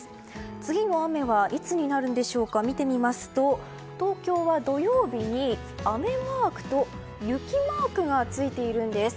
次の雨はいつになるんでしょうか見てみますと、東京は土曜日に雨マークと雪マークがついているんです。